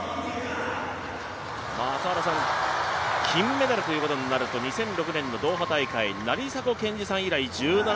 金メダルということになると２００６年のドーハ大会以来。